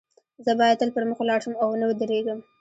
زه باید تل پر مخ ولاړ شم او و نه درېږم